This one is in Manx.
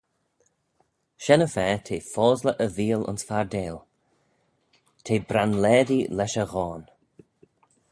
Shen-y-fa t'eh fosley e veeal ayns fardail: t'eh branlaadee lesh e ghoan.